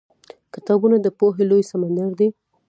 کتابونه د پوهې لوی سمندر دی.